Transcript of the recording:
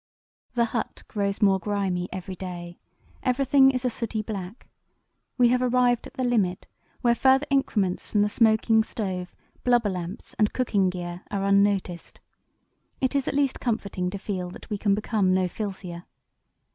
"The hut grows more grimy every day. Everything is a sooty black. We have arrived at the limit where further increments from the smoking stove, blubber lamps, and cooking gear are unnoticed. It is at least comforting to feel that we can become no filthier.